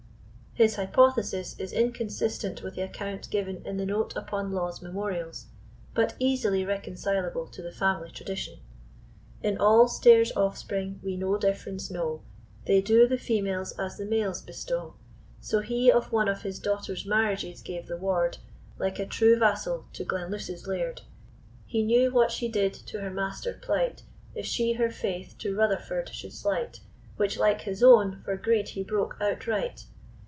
His hypothesis is inconsistent with the account given in the note upon Law's Memorials, but easily reconcilable to the family tradition. In all Stair's offspring we no difference know, They do the females as the males bestow; So he of one of his daughters' marriages gave the ward, Like a true vassal, to Glenluce's Laird; He knew what she did to her master plight, If she her faith to Rutherfurd should slight, Which, like his own, for greed he broke outright.